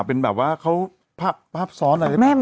เป็นแบบว่าเขาภาพซ้อนอะไร